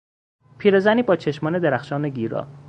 پیرزنی با چشمان درخشان و گیرا